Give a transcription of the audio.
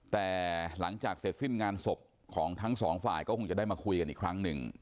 แต่หลังจากเสร็จสิ้นงานศพของทั้งสองฝ่ายก็คงจะได้มาคุยกันอีกครั้งหนึ่ง